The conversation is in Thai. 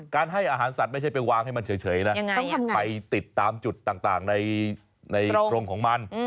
ให้อาหารสัตว์ไม่ใช่ไปวางให้มันเฉยนะไปติดตามจุดต่างในกรงของมัน